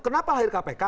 kenapa lahir kpk